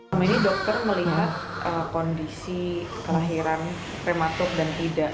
selama ini dokter melihat kondisi kelahiran prematur dan tidak